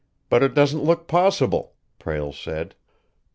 But it doesn't look possible," Prale said.